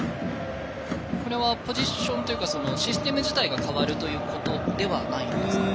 これはポジションというかシステム自体が変わるということではないんですか。